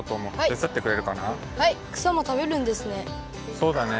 そうだね。